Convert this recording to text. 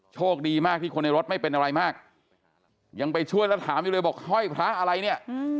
โชคดีมากที่คนในรถไม่เป็นอะไรมากยังไปช่วยแล้วถามอยู่เลยบอกห้อยพระอะไรเนี่ย